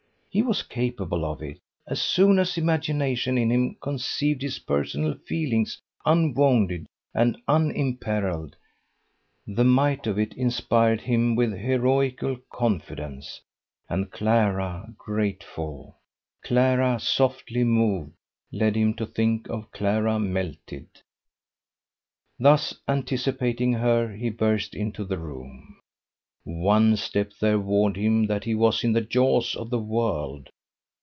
He was capable of it: as soon as imagination in him conceived his personal feelings unwounded and unimperiled, the might of it inspired him with heroical confidence, and Clara grateful, Clara softly moved, led him to think of Clara melted. Thus anticipating her he burst into the room. One step there warned him that he was in the jaws of the world.